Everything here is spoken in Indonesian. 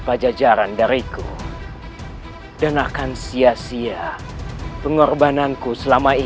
pajajaran dariku dan akan sia sia pengorbananku selama ini